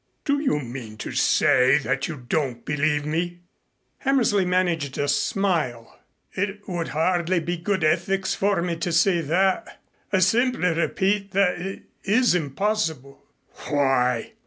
"Do you mean to say that you don't believe me?" Hammersley managed a smile. "It would hardly be good ethics for me to say that. I simply repeat that it is impossible." "Why?"